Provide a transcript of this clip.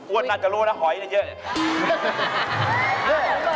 อ้วนักจะรู้นะหอยเยอะ